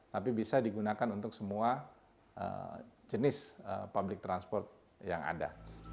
tapi bisa digunakan untuk semua jenis public transport yang ada